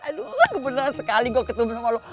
aduh kebeneran sekali gue ketemu sama lo